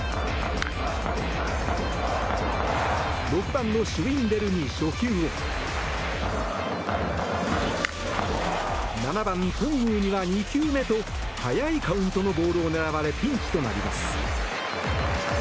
６番のシュウィンデルに初球を７番、頓宮には２球目と早いカウントのボールを狙われピンチとなります。